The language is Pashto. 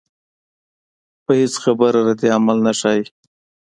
پۀ هېڅ خبره ردعمل نۀ ښائي